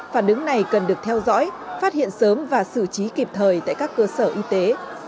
phản ứng này cần được theo dõi phát hiện sớm và xử trí kịp thời tại các cơ sở y tế